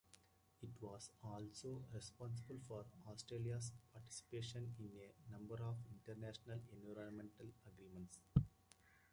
It was also responsible for Australia's participation in a number of international environmental agreements.